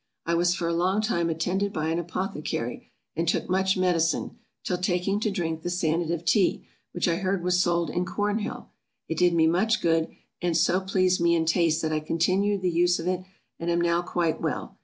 I was for a long time attended by an apothecary, and took much medicine, till taking to drink the Sanative Tea, which I had heard was sold in Cornhill, it did me much good, and so pleased me in taste, that I continued the use of it, and am now quite well.